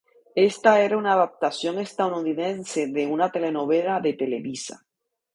Esta era una adaptación estadounidense de una telenovela de "Televisa".